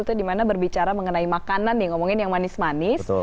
itu dimana berbicara mengenai makanan yang manis manis